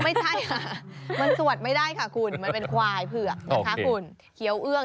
ไม่ใช่ค่ะมันสวดไม่ได้ค่ะคุณมันเป็นควายเผือกนะคะคุณเคี้ยวเอื้อง